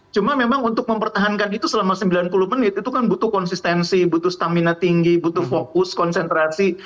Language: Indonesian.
cuma memang untuk mempertahankan itu selama sembilan puluh menit itu kan butuh konsistensi butuh stamina tinggi butuh fokus konsentrasi